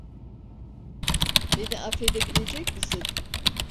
Beni affedebilecek misin?